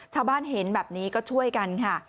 ชาวบ้านเห็นแบบนี้ก็ช่วยกันค่ะ